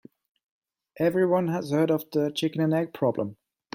Everyone has heard of the chicken and egg problem.